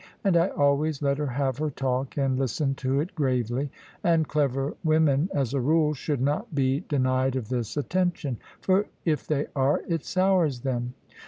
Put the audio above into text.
And I always let her have her talk, and listened to it gravely; and clever women, as a rule, should not be denied of this attention; for if they are, it sours them.